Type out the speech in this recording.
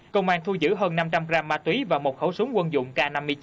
công an thu giữ hơn năm trăm linh gram ma túy và một khẩu súng quân dụng k năm mươi chín